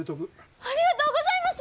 ありがとうございます！